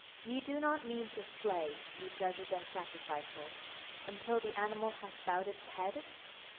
Ye do not mean to slay, ye judges and sacrificers, until the animal hath bowed its head?